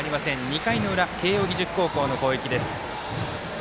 ２回の裏、慶応義塾高校の攻撃。